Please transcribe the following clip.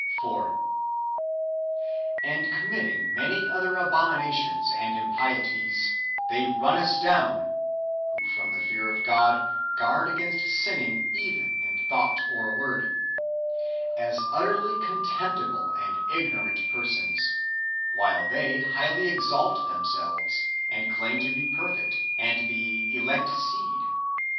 4. And committing many other abominations and im pieties, they run us down (who from the fear of God guard against sinning even in thought or word) as utterly contemp tible and ignorant persons, while they highly exalt them selves, and claim to be perfect, and the elect seed.